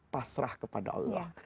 pasrah kepada allah